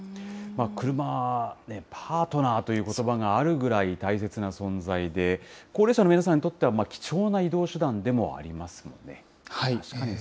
クルマ、パートナーということばがあるぐらい大切な存在で、高齢者の皆さんにとっては、貴重な移動手段でもありますもんね。